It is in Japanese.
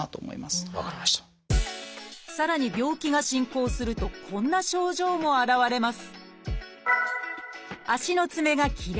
さらに病気が進行するとこんな症状も現れます